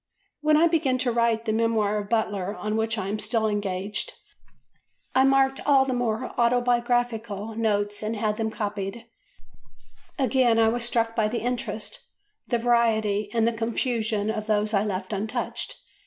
When I began to write the Memoir of Butler on which I am still engaged, I marked all the more autobiographical notes and had them copied; again I was struck by the interest, the variety, and the confusion of those I left untouched.